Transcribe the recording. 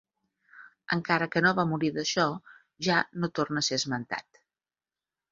Encara que no va morir d'això ja no torna a ser esmentat.